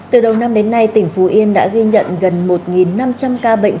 từ đầu năm đến nay tỉnh phú yên đã ghi nhận gần một năm trăm linh ca bệnh